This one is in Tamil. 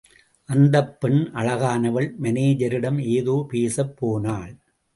அந்தப் பெண் அழகானவள் மானேஜரிடம் ஏதோ பேசப் போனாள்.